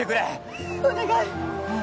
お願い。